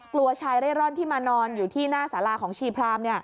กลัวชายเร่ร่อนที่มานอนอยู่ที่หน้าสาราของชีพราม